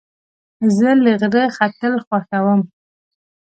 زه له غره ختل خوښوم.